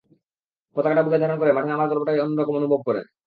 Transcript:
পতাকাটা বুকে ধারণ করে মাঠে নামার গর্বটাই অন্য রকম অনুভব করেন।